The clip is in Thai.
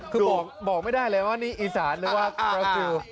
คือบอกไม่ได้เลยว่านี่อีสานหรือว่าบราซิล